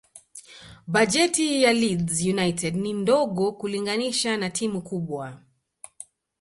bajeti ya leeds united ni ndogo kulinganisha na timu kubwa